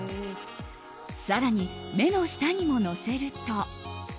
更に、目の下にものせると。